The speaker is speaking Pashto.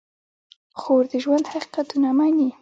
خور د ژوند حقیقتونه مني.